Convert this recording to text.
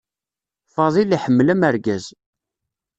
Fadil iḥemmel amergaz.